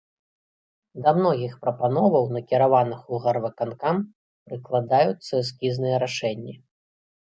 Да многіх прапановаў, накіраваных у гарвыканкам, прыкладаюцца эскізныя рашэнні.